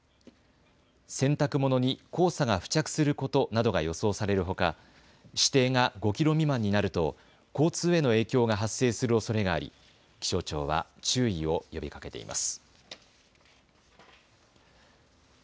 洗濯物に黄砂が付着することなどが予想されるほか、視程が５キロ未満になると交通への影響が発生するおそれがあり気象庁は注意を呼びかけています。